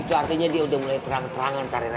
itu artinya dia udah mulai terang terangan cari lo